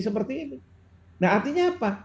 seperti ini nah artinya apa